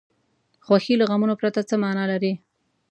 خوښي له غمونو پرته څه معنا لري.